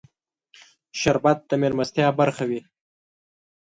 شربت د مېلمستیا برخه وي